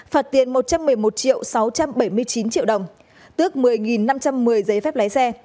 phạt tiền một trăm một mươi một sáu trăm bảy mươi chín triệu đồng tước một mươi năm trăm một mươi giấy phép lái xe